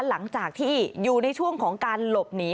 หลังจากที่อยู่ในช่วงของการหลบหนี